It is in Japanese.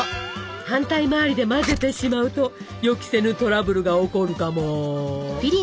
反対回りで混ぜてしまうと予期せぬトラブルが起こるかも。